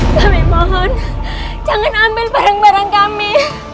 kami mohon jangan ambil barang barang kami